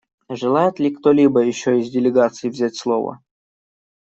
Желает ли кто-либо еще из делегаций взять слово?